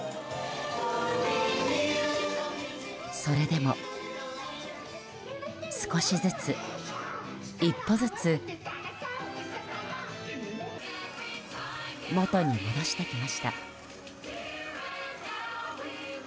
それでも、少しずつ、一歩ずつ元に戻してきました。